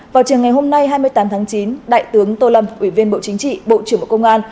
vào chiều ngày hôm nay hai mươi tám tháng chín đại tướng tô lâm ủy viên bộ chính trị bộ trưởng bộ công an